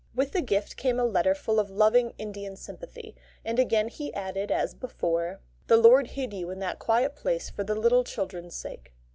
With the gift came a letter full of loving, Indian sympathy; and again he added as before: "The Lord hid you in that quiet place for the little children's sake."